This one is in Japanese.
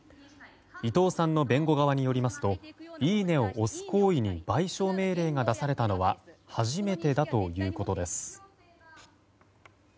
伊藤さんの弁護側によりますといいねを押す行為に賠償命令が出されたのは初めてだということです。